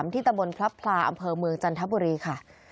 ตะบนพลับพลาอำเภอเมืองจันทบุรีค่ะ